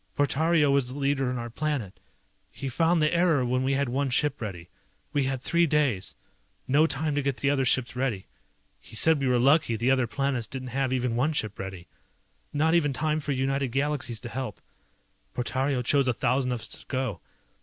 Portario was the leader on our planet. He found the error when we had one ship ready. We had three days. No time to get the other ships ready. He said we were lucky, the other planets didn't have even one ship ready. Not even time for United Galaxies to help. Portario chose a thousand of us to go.